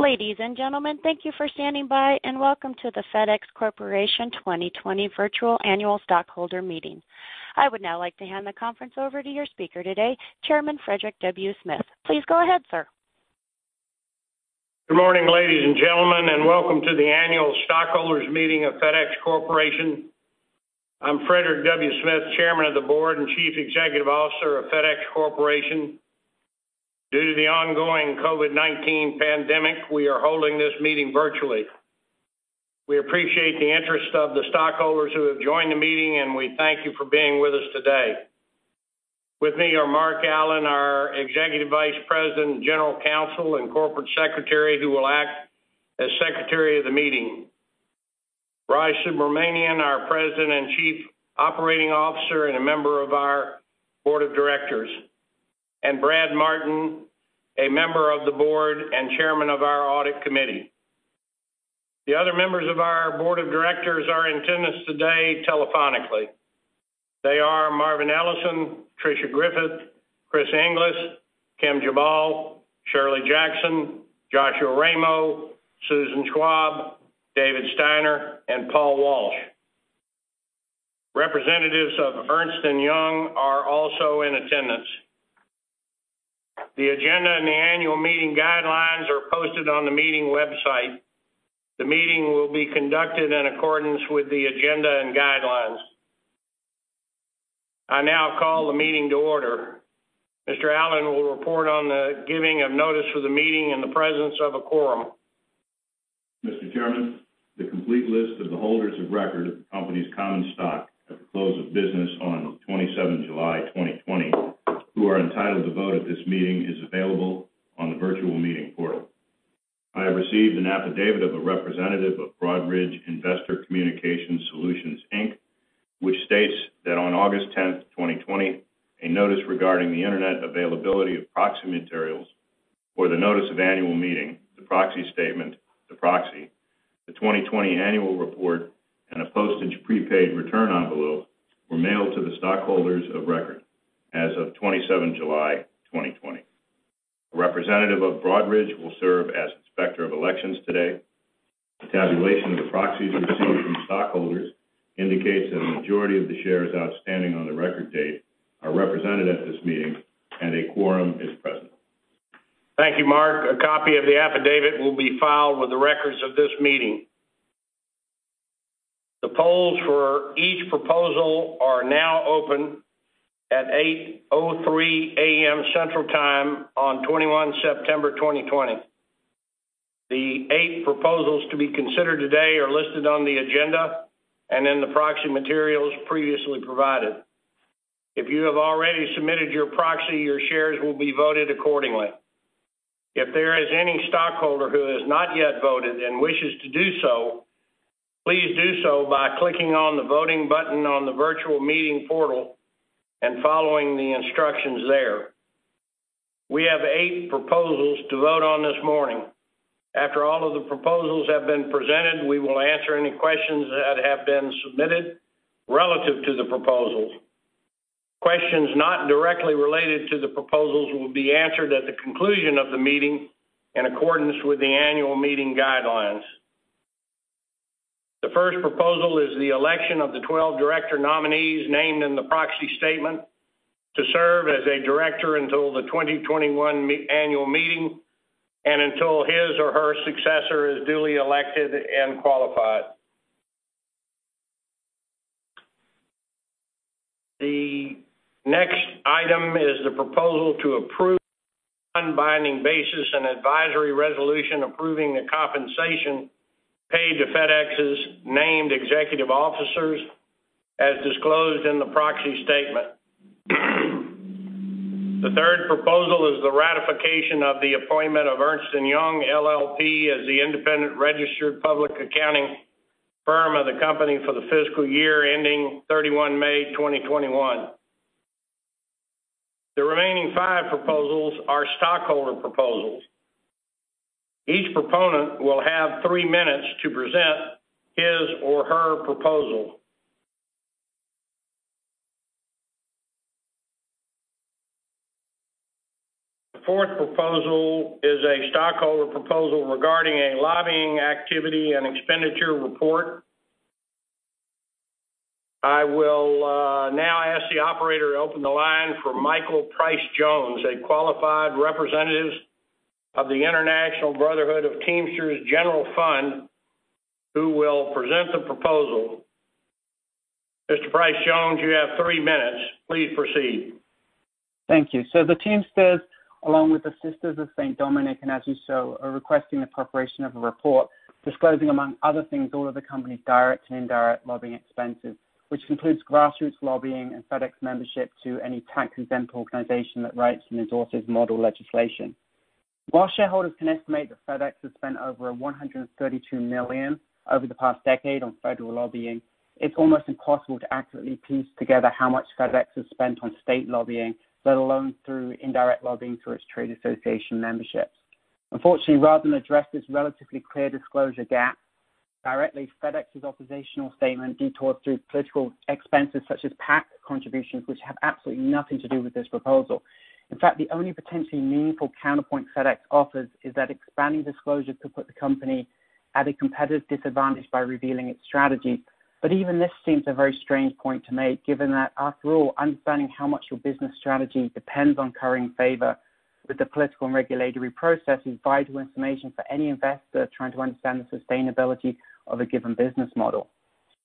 Ladies and gentlemen, thank you for standing by. Welcome to the FedEx Corporation 2020 Virtual Annual Stockholder Meeting. I would now like to hand the conference over to your speaker today, Chairman Frederick W. Smith. Please go ahead, sir. Good morning, ladies and gentlemen, and welcome to the Annual Stockholders Meeting of FedEx Corporation. I'm Frederick W. Smith, Chairman of the Board and Chief Executive Officer of FedEx Corporation. Due to the ongoing COVID-19 pandemic, we are holding this meeting virtually. We appreciate the interest of the stockholders who have joined the meeting, and we thank you for being with us today. With me are Mark Allen, our Executive Vice President, General Counsel, and Corporate Secretary, who will act as secretary of the meeting. Raj Subramaniam, our President and Chief Operating Officer, and a Member of our Board of Directors. Brad Martin, a Member of the Board and Chairman of our Audit Committee. The other members of our board of directors are in attendance today telephonically. They are Marvin Ellison, Tricia Griffith, Chris Inglis, Kim Jabal, Shirley Jackson, Joshua Ramo, Susan Schwab, David Steiner, and Paul Walsh. Representatives of Ernst & Young are also in attendance. The agenda and the annual meeting guidelines are posted on the meeting website. The meeting will be conducted in accordance with the agenda and guidelines. I now call the meeting to order. Mr. Allen will report on the giving of notice for the meeting and the presence of a quorum. Mr. Chairman, the complete list of the holders of record of the company's common stock at the close of business on the 27th July 2020, who are entitled to vote at this meeting is available on the virtual meeting portal. I have received an affidavit of a representative of Broadridge Investor Communication Solutions, Inc, which states that on August 10th, 2020, a notice regarding the internet availability of proxy materials for the notice of annual meeting, the proxy statement, the proxy, the 2020 annual report, and a postage prepaid return envelope were mailed to the stockholders of record as of 27th July 2020. A representative of Broadridge will serve as inspector of elections today. The tabulation of the proxies received from stockholders indicates that a majority of the shares outstanding on the record date are represented at this meeting and a quorum is present. Thank you, Mark. A copy of the affidavit will be filed with the records of this meeting. The polls for each proposal are now open at 8:03 A.M. Central Time on 21 September 2020. The eight proposals to be considered today are listed on the agenda and in the proxy materials previously provided. If you have already submitted your proxy, your shares will be voted accordingly. If there is any stockholder who has not yet voted and wishes to do so, please do so by clicking on the voting button on the virtual meeting portal and following the instructions there. We have eight proposals to vote on this morning. After all of the proposals have been presented, we will answer any questions that have been submitted relative to the proposals. Questions not directly related to the proposals will be answered at the conclusion of the meeting in accordance with the annual meeting guidelines. The first proposal is the election of the 12 director nominees named in the proxy statement to serve as a director until the 2021 annual meeting and until his or her successor is duly elected and qualified. The next item is the proposal to approve on binding basis an advisory resolution approving the compensation paid to FedEx's named executive officers as disclosed in the proxy statement. The third proposal is the ratification of the appointment of Ernst & Young LLP as the independent registered public accounting firm of the company for the fiscal year ending 31 May 2021. The remaining five proposals are stockholder proposals. Each proponent will have three minutes to present his or her proposal. The fourth proposal is a stockholder proposal regarding a lobbying activity and expenditure report. I will now ask the operator to open the line for Michael Pryce-Jones, a qualified representative of the International Brotherhood of Teamsters General Fund, who will present the proposal. Mr. Pryce-Jones, you have three minutes. Please proceed. Thank you. The Teamsters, along with the Sisters of St. Dominic, and as you saw, are requesting the preparation of a report disclosing, among other things, all of the company's direct and indirect lobbying expenses, which includes grassroots lobbying and FedEx membership to any tax-exempt organization that writes and endorses model legislation. While shareholders can estimate that FedEx has spent over $132 million over the past decade on federal lobbying, it's almost impossible to accurately piece together how much FedEx has spent on state lobbying, let alone through indirect lobbying through its trade association memberships. Unfortunately, rather than address this relatively clear disclosure gap directly, FedEx's oppositional statement detours through political expenses such as PAC contributions, which have absolutely nothing to do with this proposal. In fact, the only potentially meaningful counterpoint FedEx offers is that expanding disclosure could put the company at a competitive disadvantage by revealing its strategy. Even this seems a very strange point to make, given that after all, understanding how much your business strategy depends on currying favor with the political and regulatory process is vital information for any investor trying to understand the sustainability of a given business model.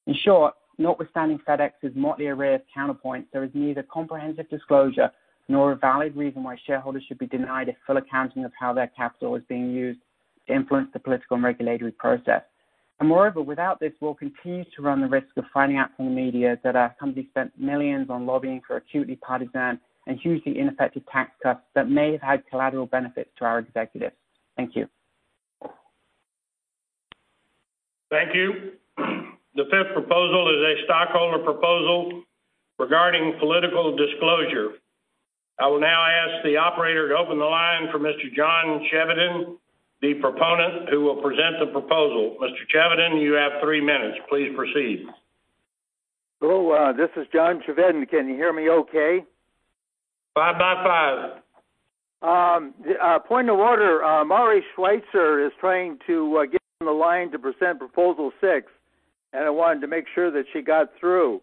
In short, notwithstanding FedEx's motley array of counterpoints, there is neither comprehensive disclosure nor a valid reason why shareholders should be denied a full accounting of how their capital is being used to influence the political and regulatory process. Moreover, without this, we'll continue to run the risk of finding out from the media that our company spent millions on lobbying for acutely partisan and hugely ineffective tax cuts that may have had collateral benefits to our executives. Thank you. Thank you. The fifth proposal is a stockholder proposal regarding political disclosure. I will now ask the operator to open the line for Mr. John Chevedden, the proponent who will present the proposal. Mr. Chevedden, you have three minutes. Please proceed. Hello, this is John Chevedden. Can you hear me okay? Five by five. Point of order. Mari Schwartzer is trying to get on the line to present proposal six, and I wanted to make sure that she got through.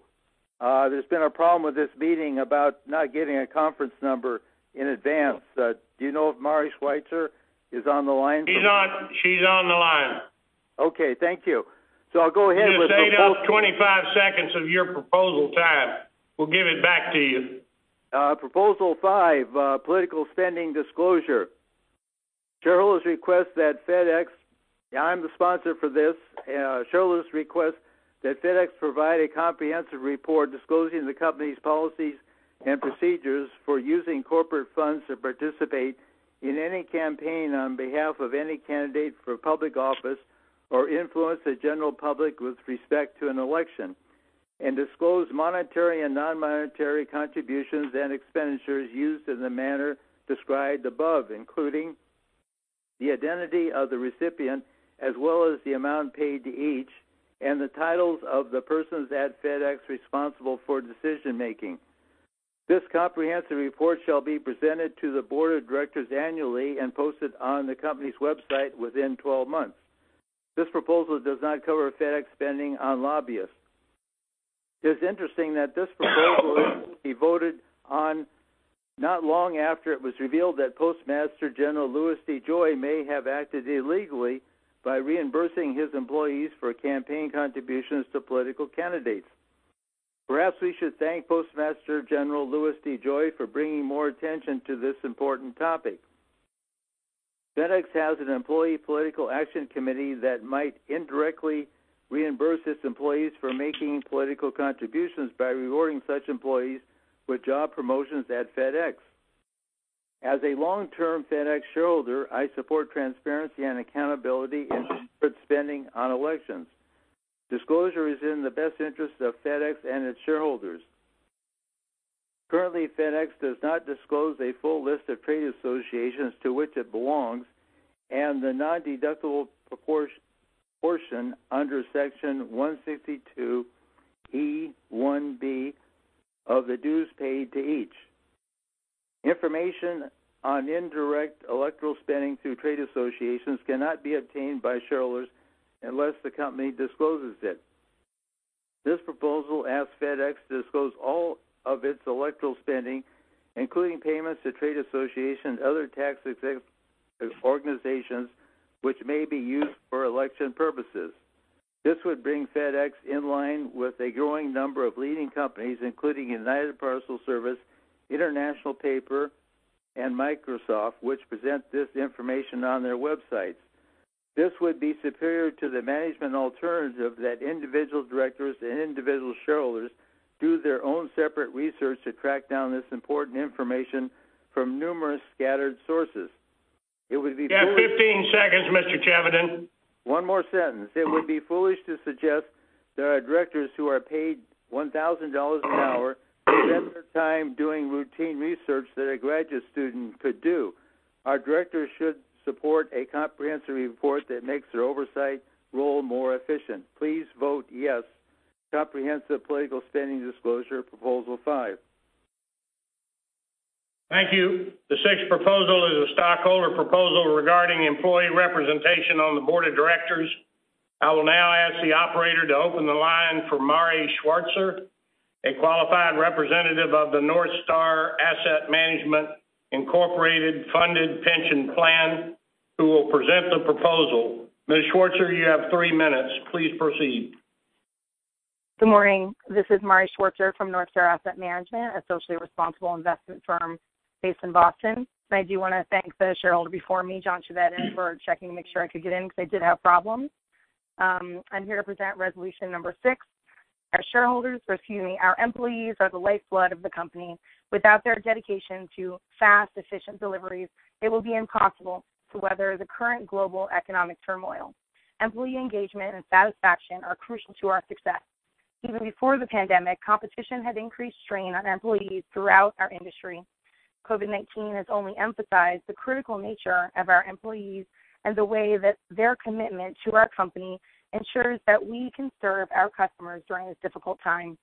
There's been a problem with this meeting about not getting a conference number in advance. Do you know if Mari Schwartzer is on the line? She's on the line. Okay. Thank you. I'll go ahead. You just ate up 25 seconds of your proposal time. We'll give it back to you. Proposal five, political spending disclosure. I'm the sponsor for this. Shareholders request that FedEx provide a comprehensive report disclosing the company's policies and procedures for using corporate funds to participate in any campaign on behalf of any candidate for public office or influence the general public with respect to an election. Disclose monetary and non-monetary contributions and expenditures used in the manner described above, including the identity of the recipient, as well as the amount paid to each, and the titles of the persons at FedEx responsible for decision-making. This comprehensive report shall be presented to the Board of Directors annually and posted on the company's website within 12 months. This proposal does not cover FedEx spending on lobbyists. It is interesting that this proposal will be voted on not long after it was revealed that Postmaster General Louis DeJoy may have acted illegally by reimbursing his employees for campaign contributions to political candidates. Perhaps we should thank Postmaster General Louis DeJoy for bringing more attention to this important topic. FedEx has an employee political action committee that might indirectly reimburse its employees for making political contributions by rewarding such employees with job promotions at FedEx. As a long-term FedEx shareholder, I support transparency and accountability in corporate spending on elections. Disclosure is in the best interest of FedEx and its shareholders. Currently, FedEx does not disclose a full list of trade associations to which it belongs and the non-deductible portion under Section 162(e) of the dues paid to each. Information on indirect electoral spending through trade associations cannot be obtained by shareholders unless the company discloses it. This proposal asks FedEx disclose all of its electoral spending, including payments to trade associations other tax-exempt organizations which may be used for election purposes. This would bring FedEx in line with a growing number of leading companies, including United Parcel Service, International Paper, and Microsoft, which present this information on their websites. This would be superior to the management alternative that individual directors and individual shareholders do their own separate research to track down this important information from numerous scattered sources. You have 15 seconds, Mr. Chevedden. One more sentence. It would be foolish to suggest there are directors who are paid $1,000 an hour to spend their time doing routine research that a graduate student could do. Our directors should support a comprehensive report that makes their oversight role more efficient. Please vote yes, Comprehensive Political Spending Disclosure, proposal five. Thank you. The sixth proposal is a stockholder proposal regarding employee representation on the board of directors. I will now ask the operator to open the line for Mari Schwartzer, a qualified representative of the Northstar Asset Management, Inc. Funded Pension Plan, who will present the proposal. Ms. Schwartzer, you have three minutes. Please proceed. Good morning. This is Mari Schwartzer from NorthStar Asset Management, a socially responsible investment firm based in Boston. I do want to thank the shareholder before me, John Chevedden, for checking to make sure I could get in because I did have problems. I'm here to present resolution number six. Our shareholders, or excuse me, our employees are the lifeblood of the company. Without their dedication to fast, efficient deliveries, it will be impossible to weather the current global economic turmoil. Employee engagement and satisfaction are crucial to our success. Even before the pandemic, competition had increased strain on employees throughout our industry. COVID-19 has only emphasized the critical nature of our employees and the way that their commitment to our company ensures that we can serve our customers during this difficult time.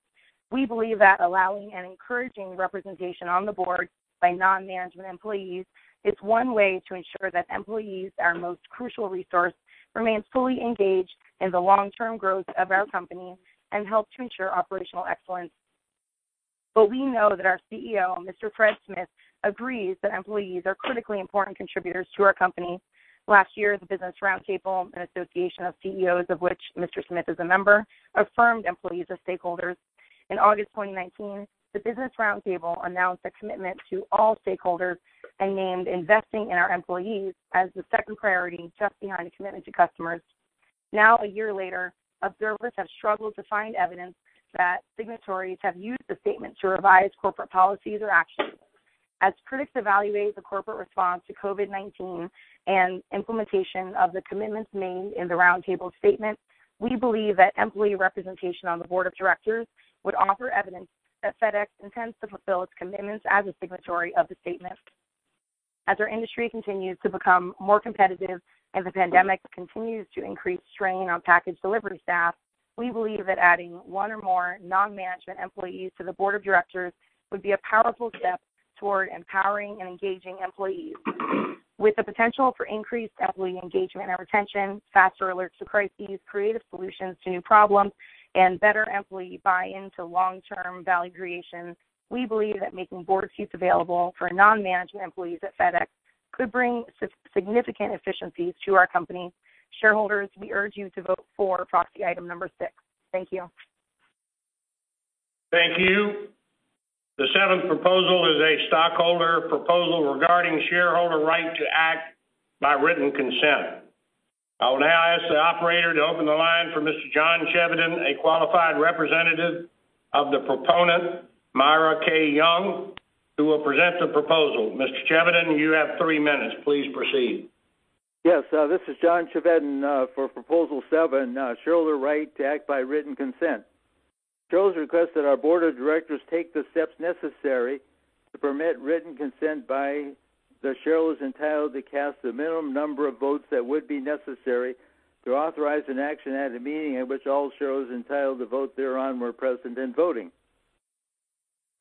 We believe that allowing and encouraging representation on the board by non-management employees is one way to ensure that employees, our most crucial resource, remain fully engaged in the long-term growth of our company and help to ensure operational excellence. We know that our CEO, Mr. Fred Smith, agrees that employees are critically important contributors to our company. Last year, the Business Roundtable, an association of CEOs of which Mr. Smith is a member, affirmed employees as stakeholders. In August 2019, the Business Roundtable announced a commitment to all stakeholders and named investing in our employees as the second priority, just behind a commitment to customers. Now, a year later, observers have struggled to find evidence that signatories have used the statement to revise corporate policies or actions. As critics evaluate the corporate response to COVID-19 and implementation of the commitments made in the Roundtable statement, we believe that employee representation on the board of directors would offer evidence that FedEx intends to fulfill its commitments as a signatory of the statement. As our industry continues to become more competitive and the pandemic continues to increase strain on package delivery staff, we believe that adding one or more non-management employees to the board of directors would be a powerful step toward empowering and engaging employees. With the potential for increased employee engagement and retention, faster alerts to crises, creative solutions to new problems, and better employee buy-in to long-term value creation, we believe that making board seats available for non-management employees at FedEx could bring significant efficiencies to our company. Shareholders, we urge you to vote for proxy item number six. Thank you. Thank you. The seventh proposal is a stockholder proposal regarding shareholder right to act by written consent. I will now ask the operator to open the line for Mr. John Chevedden, a qualified representative of the proponent, Myra K. Young, who will present the proposal. Mr. Chevedden, you have three minutes. Please proceed. Yes. This is John Chevedden for proposal seven, shareholder right to act by written consent. Shareholders request that our board of directors take the steps necessary to permit written consent by the shareholders entitled to cast the minimum number of votes that would be necessary to authorize an action at a meeting at which all shareholders entitled to vote thereon were present and voting.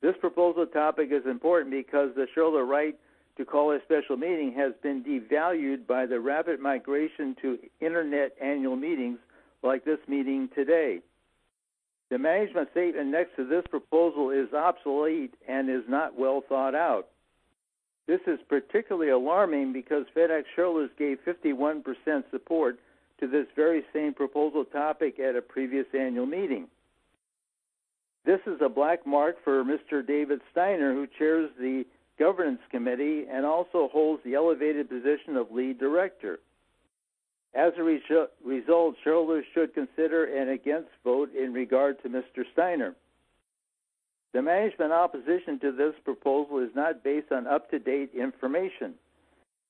This proposal topic is important because the shareholder right to call a special meeting has been devalued by the rapid migration to internet annual meetings like this meeting today. The management statement next to this proposal is obsolete and is not well thought out. This is particularly alarming because FedEx shareholders gave 51% support to this very same proposal topic at a previous annual meeting. This is a black mark for Mr. David Steiner, who chairs the governance committee and also holds the elevated position of lead director. As a result, shareholders should consider an against vote in regard to Mr. Steiner. The management opposition to this proposal is not based on up-to-date information.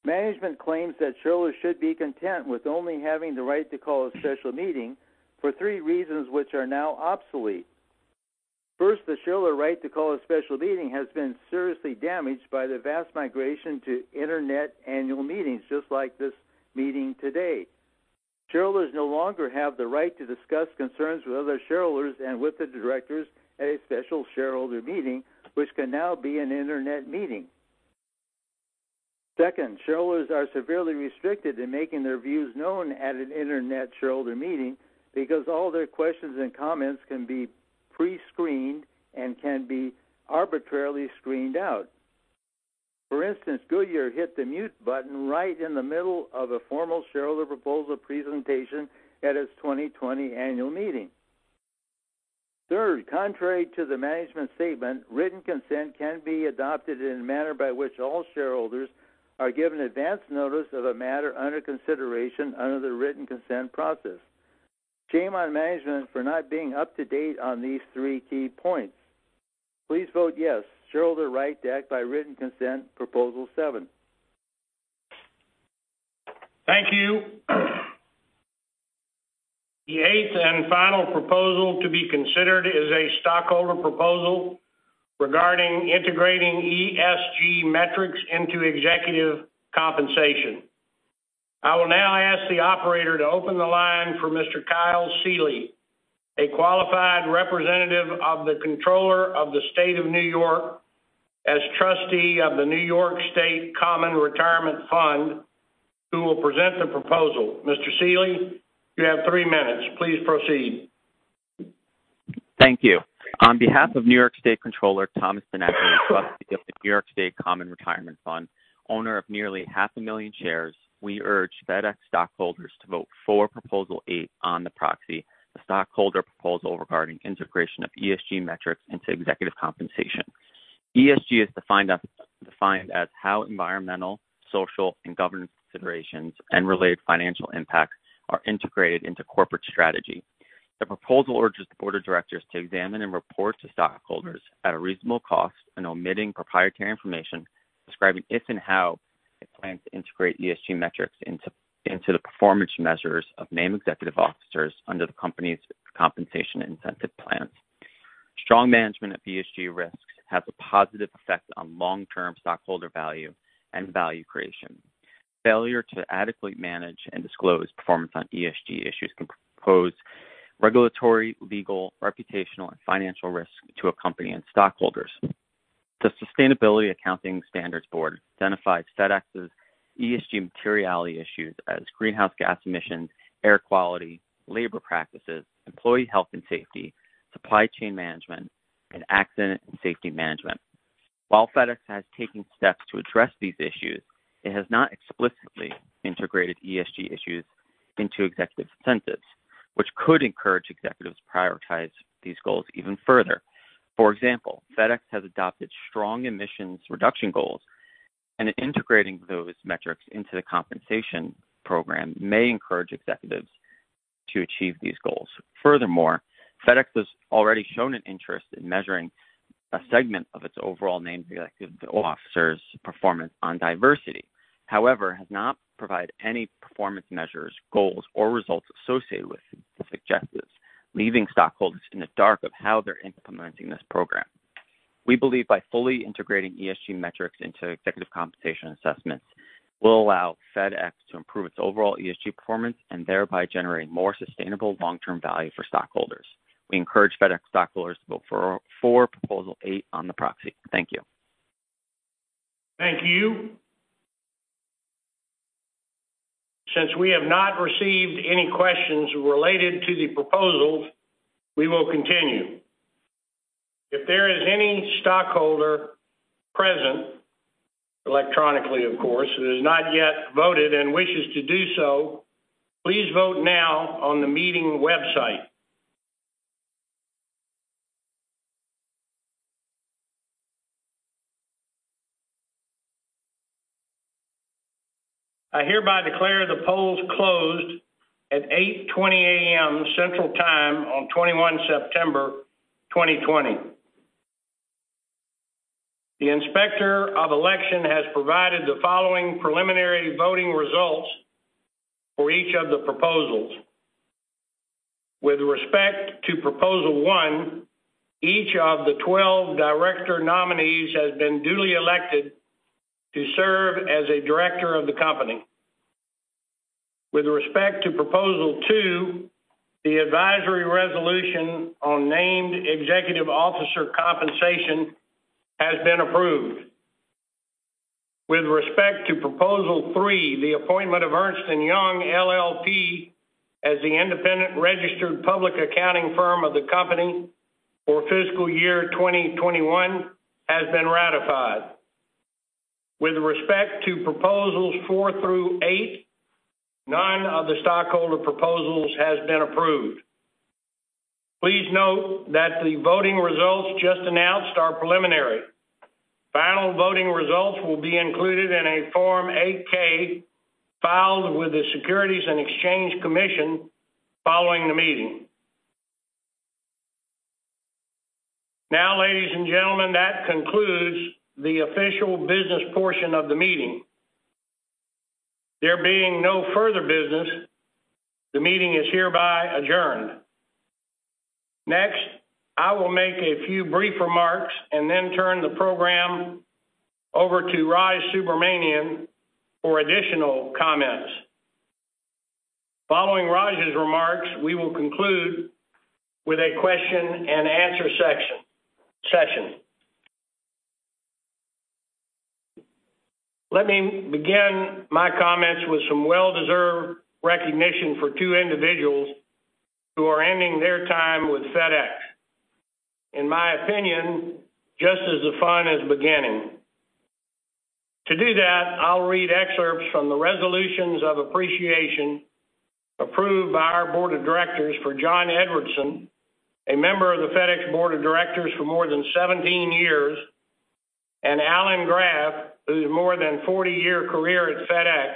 Management claims that shareholders should be content with only having the right to call a special meeting for three reasons, which are now obsolete. First, the shareholder right to call a special meeting has been seriously damaged by the vast migration to internet annual meetings, just like this meeting today. Shareholders no longer have the right to discuss concerns with other shareholders and with the directors at a special shareholder meeting, which can now be an internet meeting. Shareholders are severely restricted in making their views known at an internet shareholder meeting because all their questions and comments can be pre-screened and can be arbitrarily screened out. For instance, Goodyear hit the mute button right in the middle of a formal shareholder proposal presentation at its 2020 annual meeting. Contrary to the management statement, written consent can be adopted in a manner by which all shareholders are given advance notice of a matter under consideration under the written consent process. Shame on management for not being up to date on these three key points. Please vote yes. Shareholder right to act by written consent, proposal seven. Thank you. The eighth and final proposal to be considered is a stockholder proposal regarding integrating ESG metrics into executive compensation. I will now ask the operator to open the line for Mr. Kyle Seeley, a qualified representative of the Comptroller of the State of New York as trustee of the New York State Common Retirement Fund, who will present the proposal. Mr. Seeley, you have three minutes. Please proceed. Thank you. On behalf of New York State Comptroller Thomas DiNapoli, trustee of the New York State Common Retirement Fund, owner of nearly 500,000 shares, we urge FedEx stockholders to vote for proposal eight on the proxy, the stockholder proposal regarding integration of ESG metrics into executive compensation. ESG is defined as how environmental, social, and governance considerations and related financial impacts are integrated into corporate strategy. The proposal urges the board of directors to examine and report to stockholders at a reasonable cost and omitting proprietary information, describing if and how it plans to integrate ESG metrics into the performance measures of named executive officers under the company's compensation incentive plans. Strong management of ESG risks has a positive effect on long-term stockholder value and value creation. Failure to adequately manage and disclose performance on ESG issues can pose regulatory, legal, reputational, and financial risk to a company and stockholders. The Sustainability Accounting Standards Board identified FedEx's ESG materiality issues as greenhouse gas emissions, air quality, labor practices, employee health and safety, supply chain management, and accident and safety management. While FedEx has taken steps to address these issues, it has not explicitly integrated ESG issues into executive incentives, which could encourage executives to prioritize these goals even further. For example, FedEx has adopted strong emissions reduction goals, and integrating those metrics into the compensation program may encourage executives to achieve these goals. Furthermore, FedEx has already shown an interest in measuring a segment of its overall named executive officers' performance on diversity. However, it has not provided any performance measures, goals, or results associated with specific objectives, leaving stockholders in the dark of how they're implementing this program. We believe by fully integrating ESG metrics into executive compensation assessments will allow FedEx to improve its overall ESG performance, and thereby generate more sustainable long-term value for stockholders. We encourage FedEx stockholders to vote for proposal eight on the proxy. Thank you. Thank you. Since we have not received any questions related to the proposals, we will continue. If there is any stockholder present, electronically of course, that has not yet voted and wishes to do so, please vote now on the meeting website. I hereby declare the polls closed at 8:20 A.M. Central Time on 21 September 2020. The Inspector of Election has provided the following preliminary voting results for each of the proposals. With respect to proposal one, each of the 12 director nominees has been duly elected to serve as a director of the company. With respect to proposal two, the advisory resolution on named executive officer compensation has been approved. With respect to proposal three, the appointment of Ernst & Young LLP as the independent registered public accounting firm of the company for fiscal year 2021 has been ratified. With respect to proposals four through eight, none of the stockholder proposals has been approved. Please note that the voting results just announced are preliminary. Final voting results will be included in a Form 8-K filed with the Securities and Exchange Commission following the meeting. ladies and gentlemen, that concludes the official business portion of the meeting. There being no further business, the meeting is hereby adjourned. I will make a few brief remarks and then turn the program over to Raj Subramaniam for additional comments. Following Raj's remarks, we will conclude with a question-and-answer session. Let me begin my comments with some well-deserved recognition for two individuals who are ending their time with FedEx. In my opinion, just as the fun is beginning. To do that, I'll read excerpts from the resolutions of appreciation approved by our Board of Directors for John Edwardson, a member of the FedEx Board of Directors for more than 17 years, and Alan Graf, whose more than 40-year career at FedEx,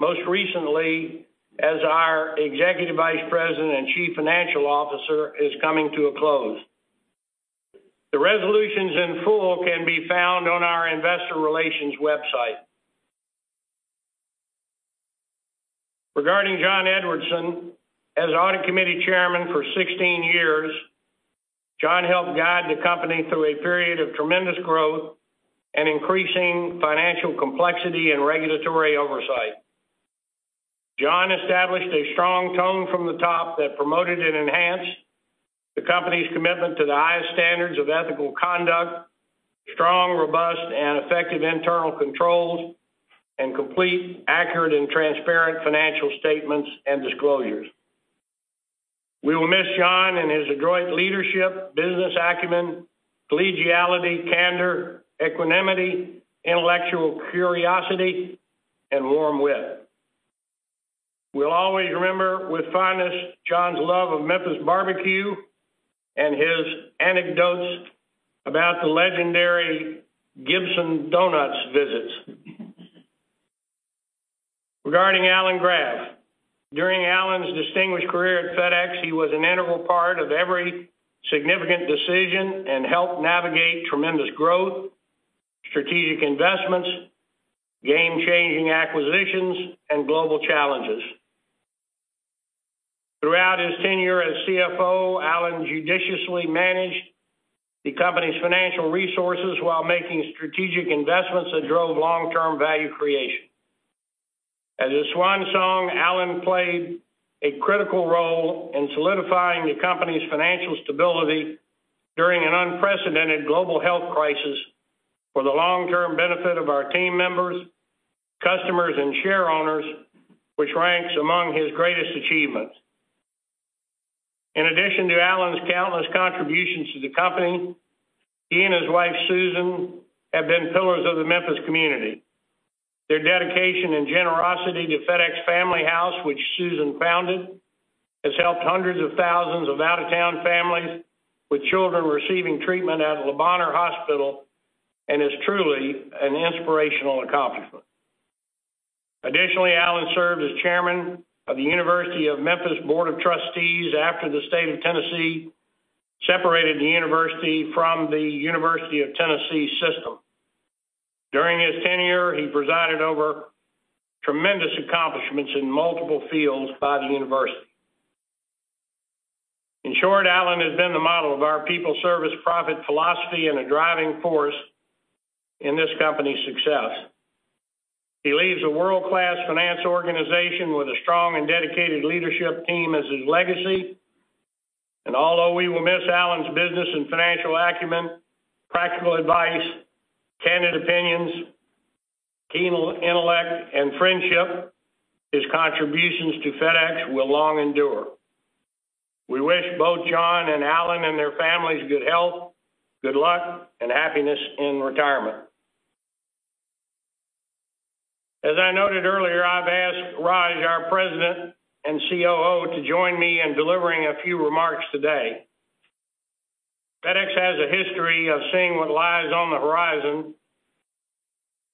most recently as our Executive Vice President and Chief Financial Officer, is coming to a close. The resolutions in full can be found on our investor relations website. Regarding John Edwardson, as Audit Committee Chairman for 16 years, John helped guide the company through a period of tremendous growth and increasing financial complexity and regulatory oversight. John established a strong tone from the top that promoted and enhanced the company's commitment to the highest standards of ethical conduct, strong, robust, and effective internal controls, and complete, accurate, and transparent financial statements and disclosures. We will miss John and his adroit leadership, business acumen, collegiality, candor, equanimity, intellectual curiosity, and warm wit. We'll always remember with fondness John's love of Memphis barbecue and his anecdotes about the legendary Gibson's Donuts visits. Regarding Alan Graf. During Alan's distinguished career at FedEx, he was an integral part of every significant decision and helped navigate tremendous growth, strategic investments, game-changing acquisitions, and global challenges. Throughout his tenure as CFO, Alan judiciously managed the company's financial resources while making strategic investments that drove long-term value creation. As a swan song, Alan played a critical role in solidifying the company's financial stability during an unprecedented global health crisis for the long-term benefit of our team members, customers, and shareowners, which ranks among his greatest achievements. In addition to Alan's countless contributions to the company, he and his wife, Susan, have been pillars of the Memphis community. Their dedication and generosity to FedExFamilyHouse, which Susan founded, has helped hundreds of thousands of out-of-town families with children receiving treatment at Le Bonheur Hospital and is truly an inspirational accomplishment. Additionally, Alan served as chairman of the University of Memphis Board of Trustees after the state of Tennessee separated the university from the University of Tennessee system. During his tenure, he presided over tremendous accomplishments in multiple fields by the university. In short, Alan has been the model of our People-Service-Profit philosophy and a driving force in this company's success. He leaves a world-class finance organization with a strong and dedicated leadership team as his legacy. Although we will miss Alan's business and financial acumen, practical advice, candid opinions, keen intellect, and friendship, his contributions to FedEx will long endure. We wish both John and Alan and their families good health, good luck, and happiness in retirement. As I noted earlier, I've asked Raj, our president and COO, to join me in delivering a few remarks today. FedEx has a history of seeing what lies on the horizon,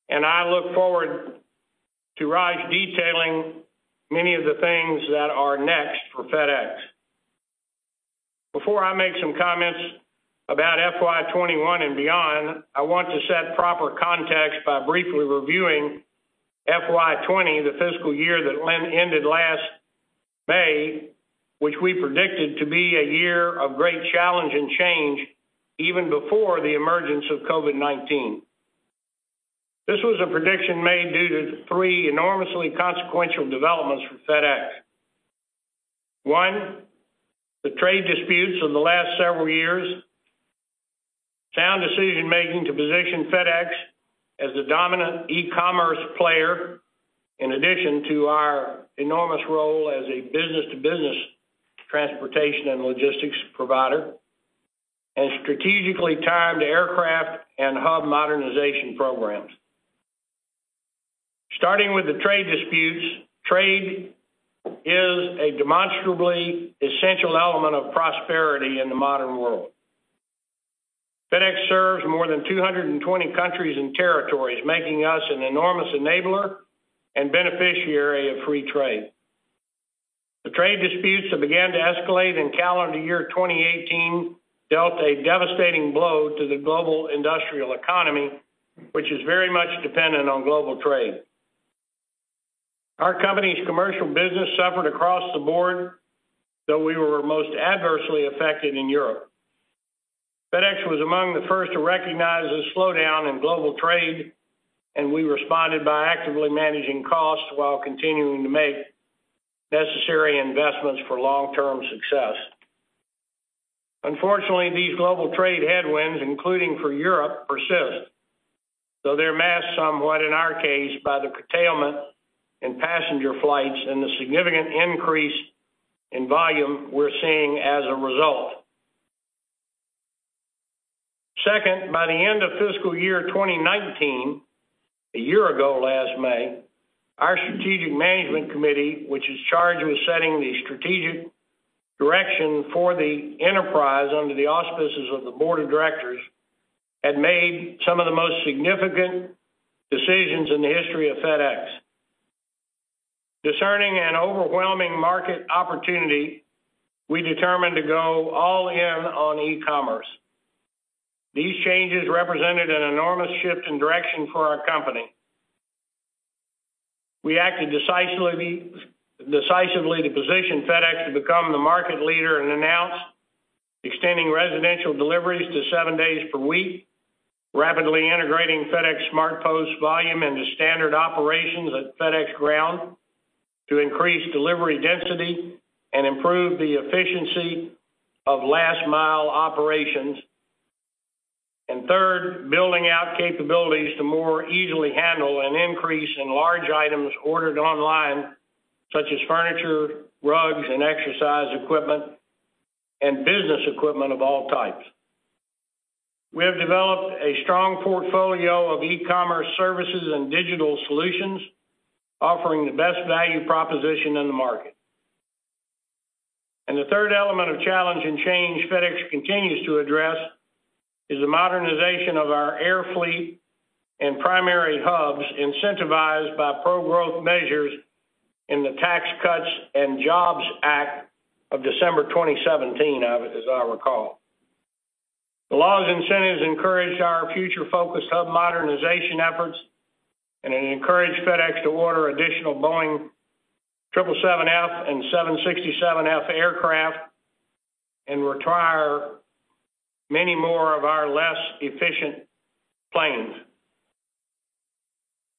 and I look forward to Raj detailing many of the things that are next for FedEx. Before I make some comments about FY 2021 and beyond, I want to set proper context by briefly reviewing FY 2020, the fiscal year that ended last May, which we predicted to be a year of great challenge and change even before the emergence of COVID-19. This was a prediction made due to three enormously consequential developments for FedEx. One, the trade disputes of the last several years. Sound decision-making to position FedEx as the dominant e-commerce player, in addition to our enormous role as a business-to-business transportation and logistics provider. Strategically timed aircraft and hub modernization programs. Starting with the trade disputes, trade is a demonstrably essential element of prosperity in the modern world. FedEx serves more than 220 countries and territories, making us an enormous enabler and beneficiary of free trade. The trade disputes that began to escalate in calendar year 2018 dealt a devastating blow to the global industrial economy, which is very much dependent on global trade. Our company's commercial business suffered across the board, though we were most adversely affected in Europe. FedEx was among the first to recognize the slowdown in global trade, and we responded by actively managing costs while continuing to make necessary investments for long-term success. Unfortunately, these global trade headwinds, including for Europe, persist. Though they're masked somewhat in our case by the curtailment in passenger flights and the significant increase in volume we're seeing as a result. Second, by the end of fiscal year 2019, a year ago last May, our strategic management committee, which is charged with setting the strategic direction for the enterprise under the auspices of the board of directors, had made some of the most significant decisions in the history of FedEx. Discerning an overwhelming market opportunity, we determined to go all in on e-commerce. These changes represented an enormous shift in direction for our company. We acted decisively to position FedEx to become the market leader and announced extending residential deliveries to seven days per week, rapidly integrating FedEx SmartPost volume into standard operations at FedEx Ground to increase delivery density and improve the efficiency of last-mile operations. Third, building out capabilities to more easily handle an increase in large items ordered online, such as furniture, rugs, and exercise equipment, and business equipment of all types. We have developed a strong portfolio of e-commerce services and digital solutions, offering the best value proposition in the market. The third element of challenge and change FedEx continues to address is the modernization of our air fleet and primary hubs incentivized by pro-growth measures in the Tax Cuts and Jobs Act of December 2017, as I recall. The law's incentives encouraged our future-focused hub modernization efforts, and it encouraged FedEx to order additional Boeing 777F and 767F aircraft and retire many more of our less efficient planes.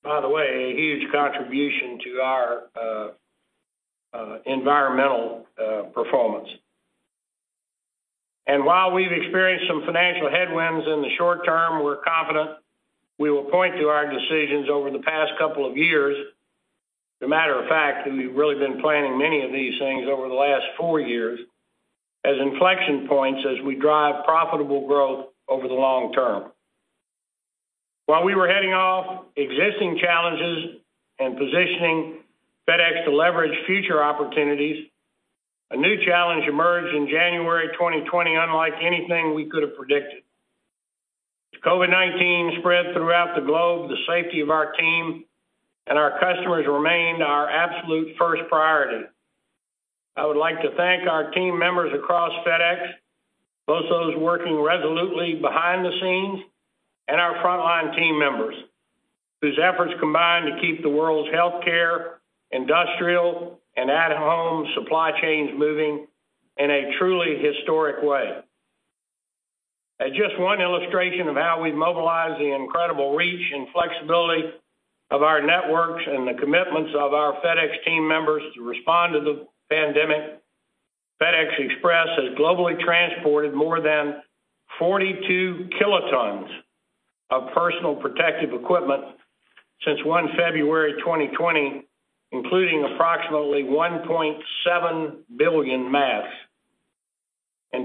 By the way, a huge contribution to our environmental performance. While we've experienced some financial headwinds in the short term, we're confident we will point to our decisions over the past couple of years. As a matter of fact, we've really been planning many of these things over the last four years as inflection points as we drive profitable growth over the long term. While we were heading off existing challenges and positioning FedEx to leverage future opportunities, a new challenge emerged in January 2020, unlike anything we could have predicted. As COVID-19 spread throughout the globe, the safety of our team and our customers remained our absolute first priority. I would like to thank our team members across FedEx, both those working resolutely behind the scenes and our frontline team members, whose efforts combined to keep the world's healthcare, industrial, and at-home supply chains moving in a truly historic way. As just one illustration of how we've mobilized the incredible reach and flexibility of our networks and the commitments of our FedEx team members to respond to the pandemic, FedEx Express has globally transported more than 42 kilotons of personal protective equipment since 1 February 2020, including approximately 1.7 billion masks.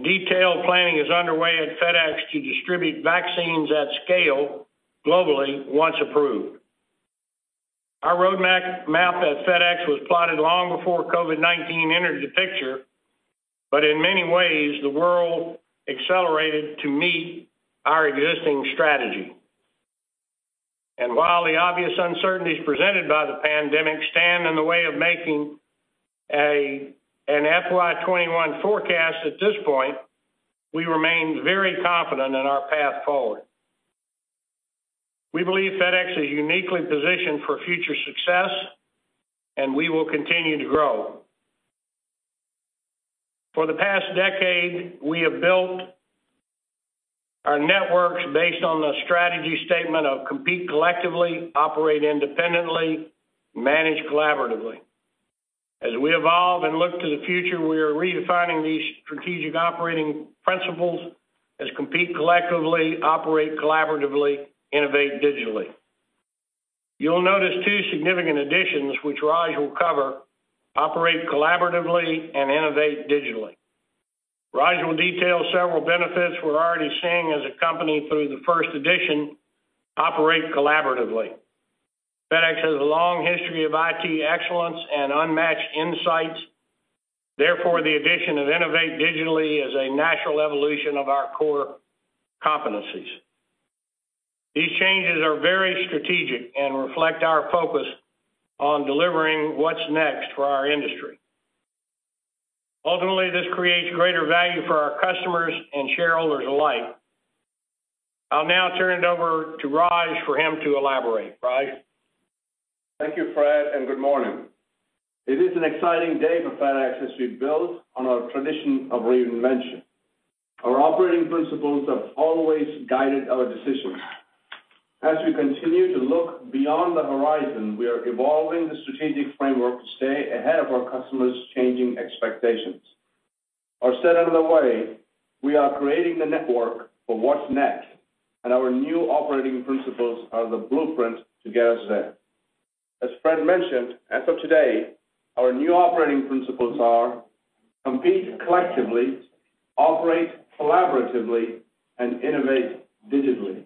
Detailed planning is underway at FedEx to distribute vaccines at scale globally once approved. Our roadmap at FedEx was plotted long before COVID-19 entered the picture. In many ways, the world accelerated to meet our existing strategy. While the obvious uncertainties presented by the pandemic stand in the way of making an FY 2021 forecast at this point, we remain very confident in our path forward. We believe FedEx is uniquely positioned for future success, and we will continue to grow. For the past decade, we have built our networks based on the strategy statement of compete collectively, operate independently, manage collaboratively. As we evolve and look to the future, we are redefining these strategic operating principles as compete collectively, operate collaboratively, innovate digitally. You'll notice two significant additions which Raj will cover, operate collaboratively and innovate digitally. Raj will detail several benefits we're already seeing as a company through the first edition, Operate Collaboratively. FedEx has a long history of IT excellence and unmatched insights. Therefore, the addition of Innovate Digitally is a natural evolution of our core competencies. These changes are very strategic and reflect our focus on delivering what's next for our industry. Ultimately, this creates greater value for our customers and shareholders alike. I'll now turn it over to Raj for him to elaborate. Raj? Thank you, Fred, and good morning. It is an exciting day for FedEx as we build on our tradition of reinvention. Our operating principles have always guided our decisions. As we continue to look beyond the horizon, we are evolving the strategic framework to stay ahead of our customers' changing expectations. Or said another way, we are creating the network for what's next, and our new operating principles are the blueprint to get us there. As Fred mentioned, as of today, our new operating principles are Compete Collectively, Operate Collaboratively, and Innovate Digitally.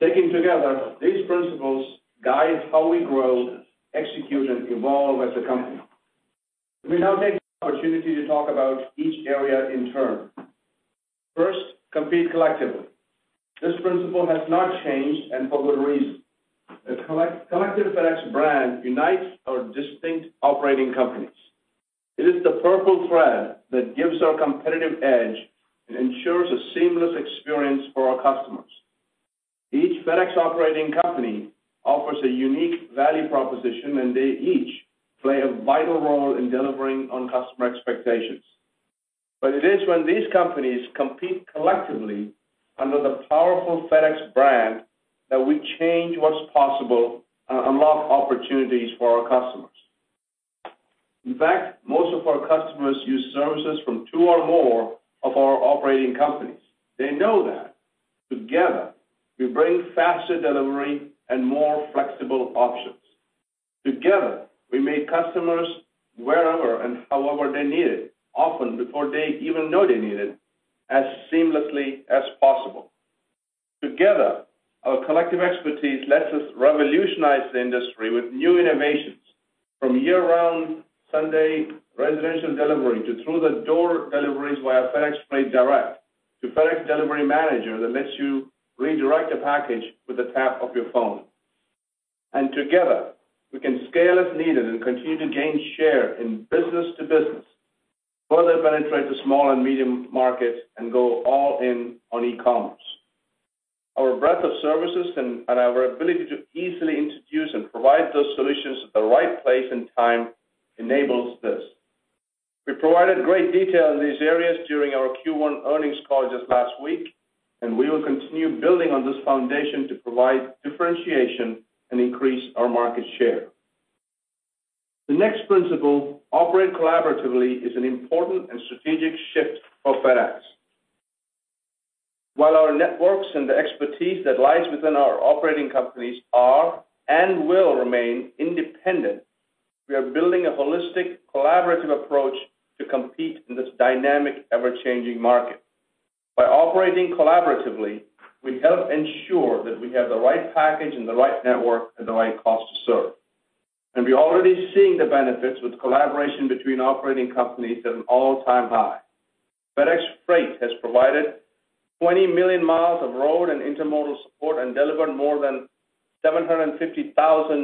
Taken together, these principles guide how we grow, execute, and evolve as a company. Let me now take the opportunity to talk about each area in turn. First, Compete Collectively. This principle has not changed, and for good reason. The collective FedEx brand unites our distinct operating companies. It is the purple thread that gives our competitive edge and ensures a seamless experience for our customers. Each FedEx operating company offers a unique value proposition, and they each play a vital role in delivering on customer expectations. It is when these companies compete collectively under the powerful FedEx brand that we change what's possible and unlock opportunities for our customers. In fact, most of our customers use services from two or more of our operating companies. They know that together, we bring faster delivery and more flexible options. Together, we meet customers wherever and however they need it, often before they even know they need it, as seamlessly as possible. Together, our collective expertise lets us revolutionize the industry with new innovations from year-round Sunday residential delivery to through-the-door deliveries via FedEx Freight Direct to FedEx Delivery Manager that lets you redirect a package with a tap of your phone. Together, we can scale as needed and continue to gain share in business-to-business, further penetrate the small and medium markets, and go all in on e-commerce. Our breadth of services and our ability to easily introduce and provide those solutions at the right place and time enables this. We provided great detail in these areas during our Q1 earnings call just last week, and we will continue building on this foundation to provide differentiation and increase our market share. The next principle, operate collaboratively, is an important and strategic shift for FedEx. While our networks and the expertise that lies within our operating companies are and will remain independent, we are building a holistic, collaborative approach to compete in this dynamic, ever-changing market. By operating collaboratively, we help ensure that we have the right package and the right network at the right cost to serve. We're already seeing the benefits with collaboration between operating companies at an all-time high. FedEx Freight has provided 20 million miles of road and intermodal support and delivered more than 750,000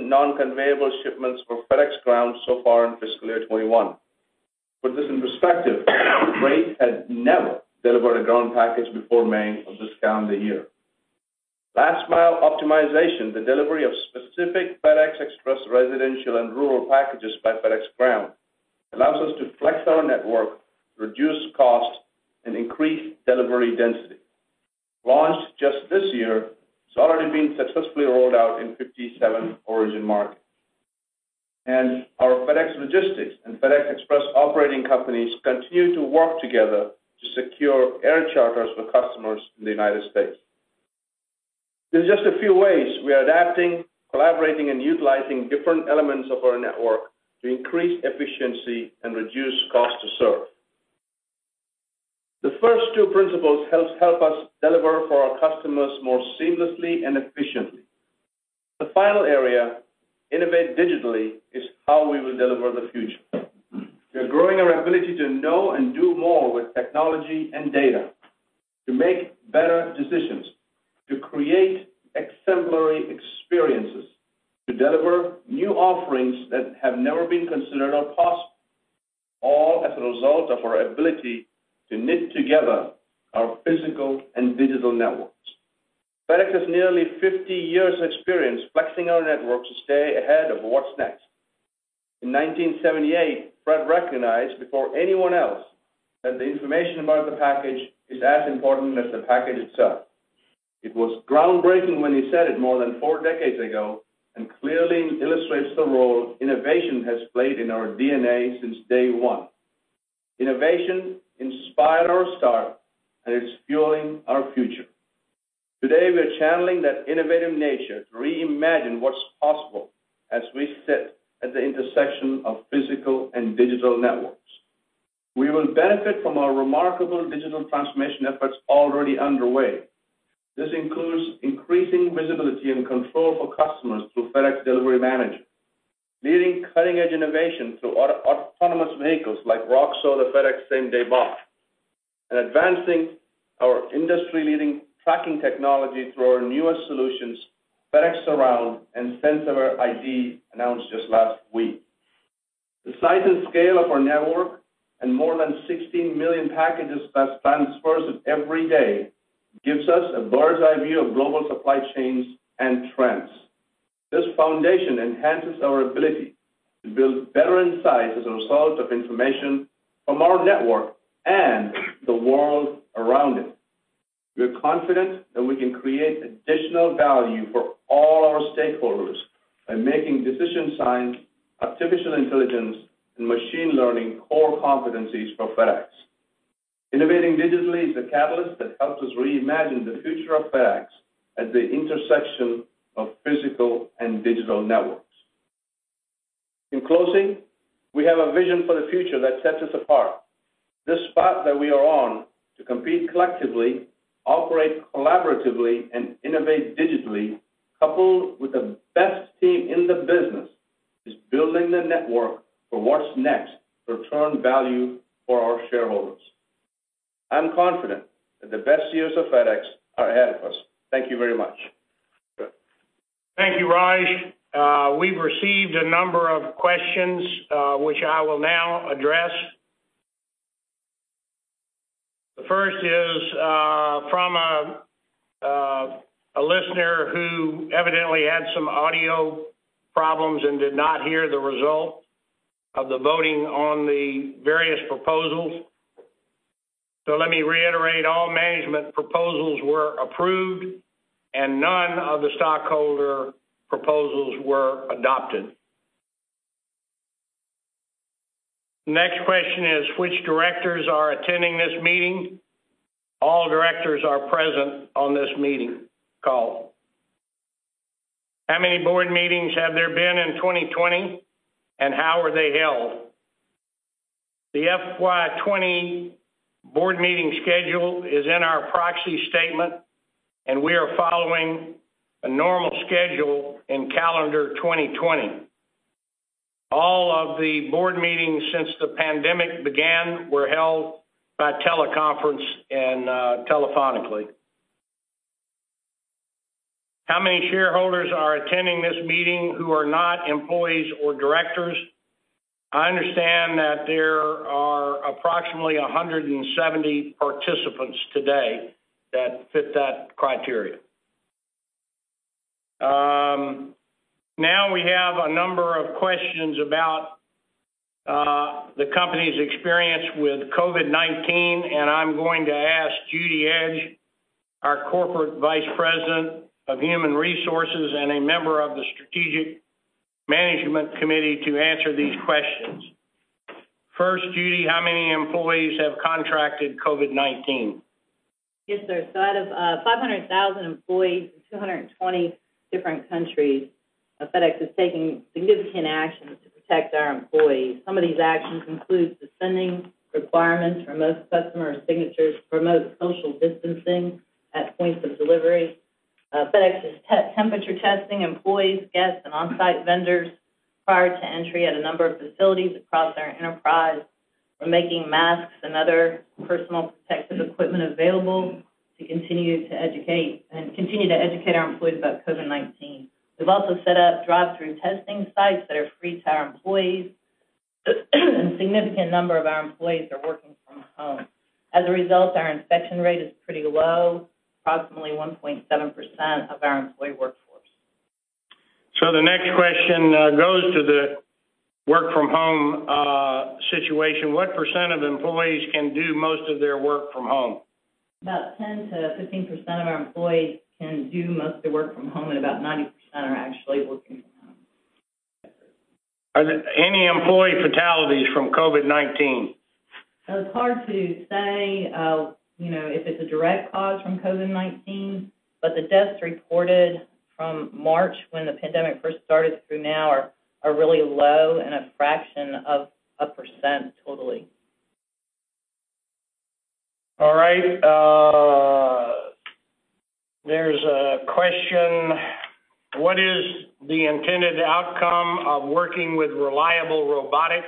non-conveyable shipments for FedEx Ground so far in FY 2021. To put this in perspective, Freight had never delivered a ground package before May of this calendar year. Last mile optimization, the delivery of specific FedEx Express residential and rural packages by FedEx Ground, allows us to flex our network, reduce costs, and increase delivery density. Launched just this year, it's already been successfully rolled out in 57 origin markets. Our FedEx Logistics and FedEx Express operating companies continue to work together to secure air charters for customers in the United States. These are just a few ways we are adapting, collaborating, and utilizing different elements of our network to increase efficiency and reduce cost to serve. The first two principles help us deliver for our customers more seamlessly and efficiently. The final area, innovate digitally, is how we will deliver the future. We are growing our ability to know and do more with technology and data, to make better decisions, to create exemplary experiences, to deliver new offerings that have never been considered or possible, all as a result of our ability to knit together our physical and digital networks. FedEx has nearly 50 years of experience flexing our network to stay ahead of what's next. In 1978, Fred recognized before anyone else that the information about the package is as important as the package itself. It was groundbreaking when he said it more than four decades ago, and clearly illustrates the role innovation has played in our DNA since day one. Innovation inspired our start, and it's fueling our future. Today, we're channeling that innovative nature to reimagine what's possible as we sit at the intersection of physical and digital networks. We will benefit from our remarkable digital transformation efforts already underway. This includes increasing visibility and control for customers through FedEx Delivery Manager, leading cutting-edge innovation through autonomous vehicles like Roxo, the FedEx SameDay Bot, and advancing our industry-leading tracking technology through our newest solutions, FedEx Surround and SenseAware ID, announced just last week. The size and scale of our network and more than 16 million packages that pass through us every day gives us a bird's-eye view of global supply chains and trends. This foundation enhances our ability to build better insights as a result of information from our network and the world around it. We are confident that we can create additional value for all our stakeholders by making decision science, artificial intelligence, and machine learning core competencies for FedEx. Innovating digitally is the catalyst that helps us reimagine the future of FedEx at the intersection of physical and digital networks. In closing, we have a vision for the future that sets us apart. This path that we are on to compete collectively, operate collaboratively, and innovate digitally, coupled with the best team in the business, is building the network for what's next to return value for our shareholders. I'm confident that the best years of FedEx are ahead of us. Thank you very much. Thank you, Raj. We've received a number of questions, which I will now address. The first is from a listener who evidently had some audio problems and did not hear the result of the voting on the various proposals. Let me reiterate, all management proposals were approved, and none of the stockholder proposals were adopted. Next question is, which directors are attending this meeting? All directors are present on this meeting call. How many board meetings have there been in 2020, and how were they held? The FY 2020 board meeting schedule is in our proxy statement, and we are following a normal schedule in calendar 2020. All of the board meetings since the pandemic began were held by teleconference and telephonically. How many shareholders are attending this meeting who are not employees or directors? I understand that there are approximately 170 participants today that fit that criteria. We have a number of questions about the company's experience with COVID-19, and I'm going to ask Judy Edge, our Corporate Vice President of Human Resources and a Member of the Strategic Management Committee, to answer these questions. First, Judy, how many employees have contracted COVID-19? Yes, sir. Out of 500,000 employees in 220 different countries, FedEx is taking significant actions to protect our employees. Some of these actions include suspending requirements for most customer signatures, promote social distancing at points of delivery. FedEx is temperature testing employees, guests, and on-site vendors prior to entry at a number of facilities across our enterprise. We're making masks and other personal protective equipment available to continue to educate our employees about COVID-19. We've also set up drive-through testing sites that are free to our employees. A significant number of our employees are working from home. As a result, our infection rate is pretty low, approximately 1.7% of our employee workforce. The next question goes to the work from home situation. What percent of employees can do most of their work from home? About 10%-15% of our employees can do most of the work from home, and about 90% are actually working from home. Are there any employee fatalities from COVID-19? It's hard to say if it's a direct cause from COVID-19, but the deaths reported from March when the pandemic first started through now are really low and a fraction of a percent totally. All right. There's a question. What is the intended outcome of working with Reliable Robotics?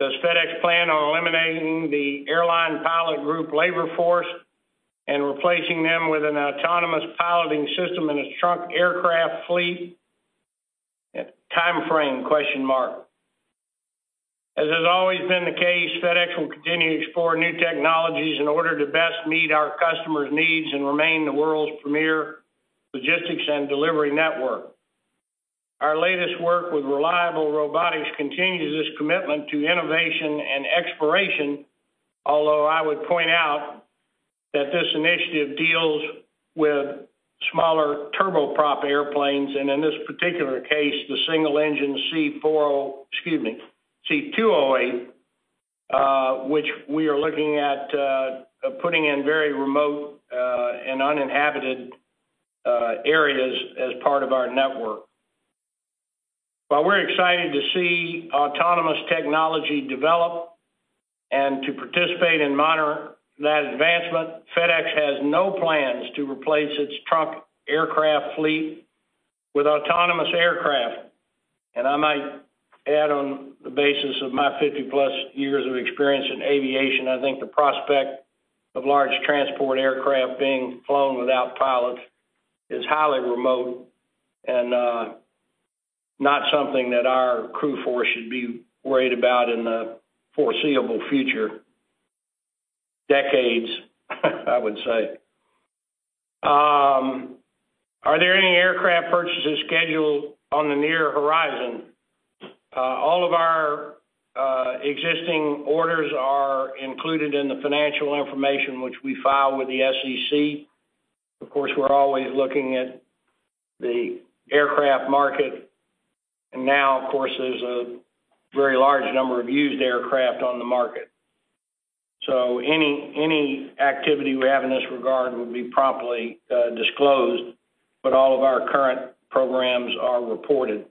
Does FedEx plan on eliminating the airline pilot group labor force and replacing them with an autonomous piloting system in its trunk aircraft fleet? Timeframe? Question mark. As has always been the case, FedEx will continue to explore new technologies in order to best meet our customers' needs and remain the world's premier logistics and delivery network. Our latest work with Reliable Robotics continues this commitment to innovation and exploration, although I would point out that this initiative deals with smaller turboprop airplanes, and in this particular case, the single engine C208, which we are looking at putting in very remote and uninhabited areas as part of our network. While we're excited to see autonomous technology develop and to participate and monitor that advancement, FedEx has no plans to replace its trunk aircraft fleet with autonomous aircraft. I might add on the basis of my 50+ years of experience in aviation, I think the prospect of large transport aircraft being flown without pilots is highly remote and not something that our crew force should be worried about in the foreseeable future. Decades, I would say. Are there any aircraft purchases scheduled on the near horizon? All of our existing orders are included in the financial information which we file with the SEC. Of course, we're always looking at the aircraft market. Now, of course, there's a very large number of used aircraft on the market. Any activity we have in this regard would be promptly disclosed, but all of our current programs are reported.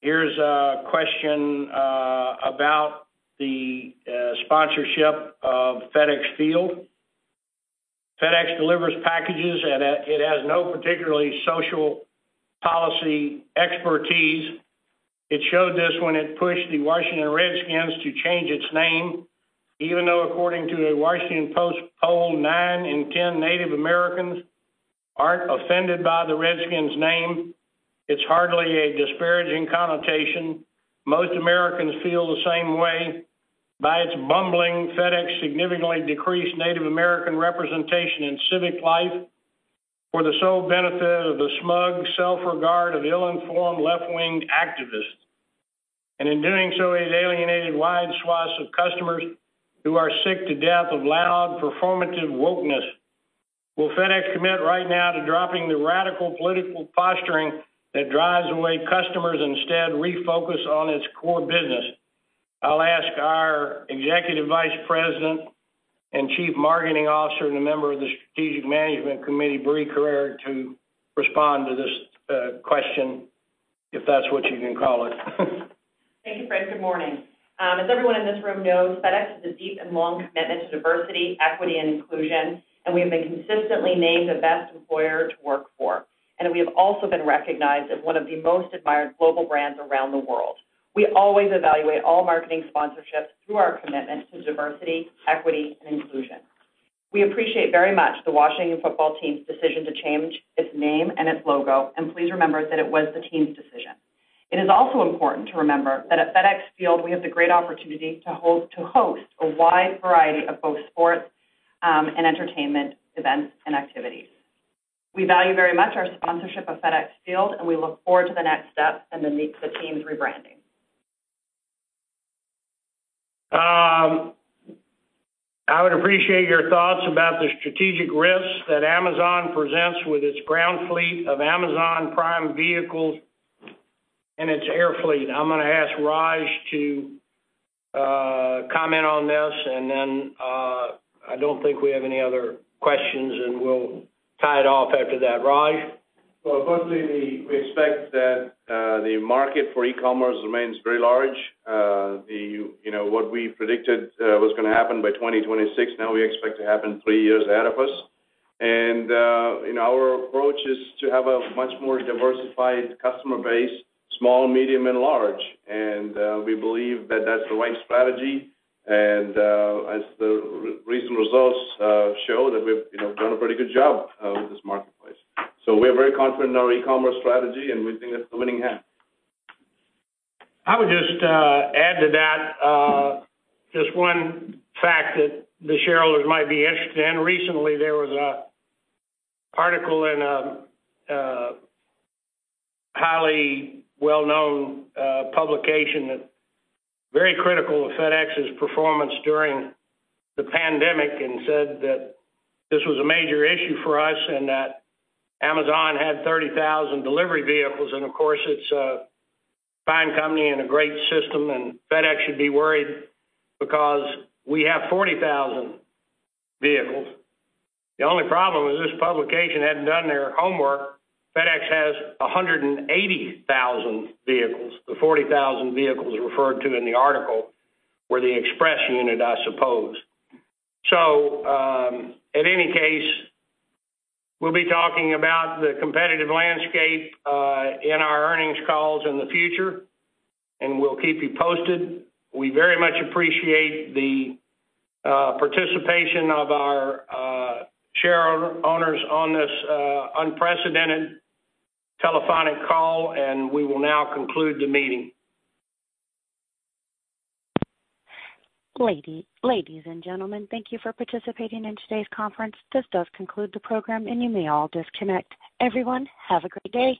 Here's a question about the sponsorship of FedEx Field. FedEx delivers packages, and it has no particular social policy expertise. It showed this when it pushed the Washington Redskins to change its name, even though according to a "Washington Post" poll, nine in 10 Native Americans aren't offended by the Redskins name. It's hardly a disparaging connotation. Most Americans feel the same way. By its bumbling, FedEx significantly decreased Native American representation in civic life for the sole benefit of the smug self-regard of ill-informed left-wing activists. In doing so, it alienated wide swaths of customers who are sick to death of loud, performative wokeness. Will FedEx commit right now to dropping the radical political posturing that drives away customers, instead refocus on its core business? I'll ask our Executive Vice President and Chief Marketing and Communications Officer and a Member of the Strategic Management Committee, Brie Carere, to respond to this question, if that's what you can call it. Thank you, Fred. Good morning. As everyone in this room knows, FedEx has a deep and long commitment to diversity, equity, and inclusion, and we have been consistently named the best employer to work for. We have also been recognized as one of the most admired global brands around the world. We always evaluate all marketing sponsorships through our commitment to diversity, equity, and inclusion. We appreciate very much the Washington Football Team's decision to change its name and its logo, and please remember that it was the team's decision. It is also important to remember that at FedEx Field, we have the great opportunity to host a wide variety of both sports and entertainment events and activities. We value very much our sponsorship of FedEx Field, and we look forward to the next step in the team's rebranding. I would appreciate your thoughts about the strategic risks that Amazon presents with its ground fleet of Amazon Prime vehicles and its air fleet." I'm going to ask Raj to comment on this and then I don't think we have any other questions, and we'll tie it off after that. Raj? Well, firstly, we expect that the market for e-commerce remains very large. What we predicted was going to happen by 2026, now we expect to happen three years ahead of us. Our approach is to have a much more diversified customer base, small, medium, and large. We believe that that's the right strategy, and as the recent results show, that we've done a pretty good job with this marketplace. We are very confident in our e-commerce strategy, and we think it's a winning hand. I would just add to that just one fact that the shareholders might be interested in. Recently, there was an article in a highly well-known publication that very critical of FedEx's performance during the pandemic and said that this was a major issue for us and that Amazon had 30,000 delivery vehicles. Of course, it's a fine company and a great system, and FedEx should be worried because we have 40,000 vehicles. The only problem is this publication hadn't done their homework. FedEx has 180,000 vehicles. The 40,000 vehicles referred to in the article were the Express unit, I suppose. In any case, we'll be talking about the competitive landscape in our earnings calls in the future, and we'll keep you posted. We very much appreciate the participation of our share owners on this unprecedented telephonic call, and we will now conclude the meeting. Ladies and gentlemen, thank you for participating in today's conference. This does conclude the program, and you may all disconnect. Everyone, have a great day.